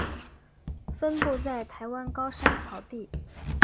分布在台湾高山草地。